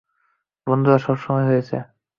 বন্ধুরা, সময় হয়েছে।